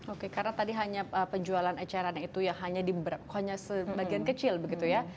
oke karena tadi hanya penjualan eceran itu yang hanya sebagian kecil begitu ya